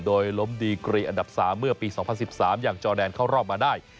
โดยล้มดีกรีอันดับ๓เมื่อปี๒๐๑๓อย่างจอแดนเข้ารอบมาได้